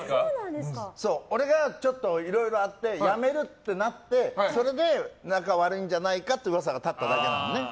俺が、ちょっといろいろあって辞めるってなってそれで仲悪いんじゃないかという噂が立っただけなんだよね。